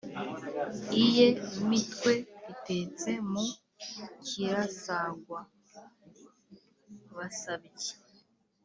iye mitwe itetse mu kirasagwa- basabyi.